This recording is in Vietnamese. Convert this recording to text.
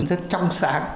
rất trong sáng